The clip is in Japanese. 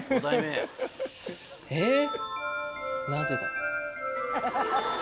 えっ？